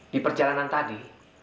di perjalanan tadi